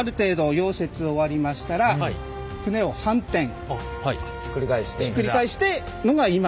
溶接終わりましたらひっくり返して。